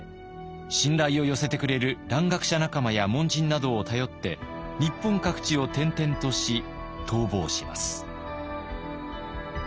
信頼を寄せてくれる蘭学者仲間や門人などを頼って日本各地を転々とし逃亡します。